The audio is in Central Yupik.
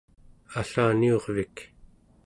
allaniurvik